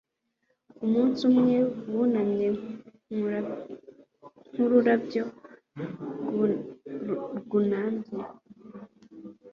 Umunsi umwe wunamye nkururabyo rwunamye